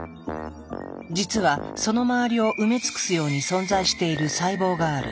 実はその周りを埋め尽くすように存在している細胞がある。